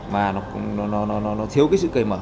mà nó thiếu cái sự cây mở